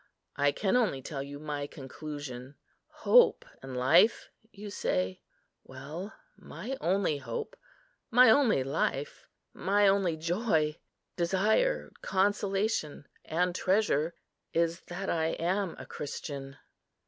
I can only tell you my conclusion. Hope and life, you say. Why, my only hope, my only life, my only joy, desire, consolation, and treasure is that I am a Christian."